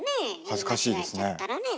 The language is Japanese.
恥ずかしいですね。